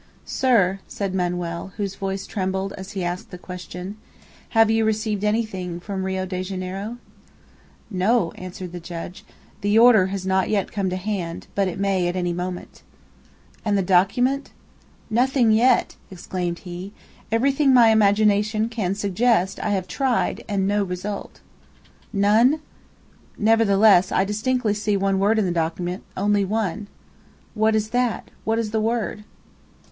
"Sir," said Manoel, whose voice trembled as he asked the question, "have you received anything from Rio de Janeiro." "No," answered the judge; "the order has not yet come to hand, but it may at any moment." "And the document?" "Nothing yet!" exclaimed he. "Everything my imagination can suggest I have tried, and no result." "None?" "Nevertheless, I distinctly see one word in the document only one!" "What is that what is the word?"